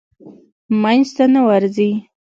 منځ ته نه ورځي.